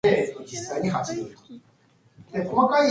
From the florin thence came the East African shilling.